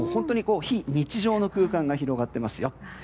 非日常の空間が広がっています。